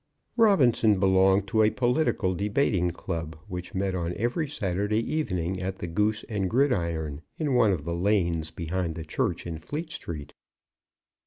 Robinson belonged to a political debating club, which met on every Saturday evening at the "Goose and Gridiron" in one of the lanes behind the church in Fleet Street.